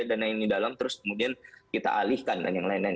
ada yang lain di dalam terus kemudian kita alihkan dan yang lain lain